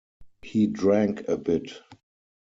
He drank a bit.